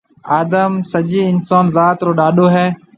آدم سجَي اِنسون ذات رو ڏاڏو هيَ۔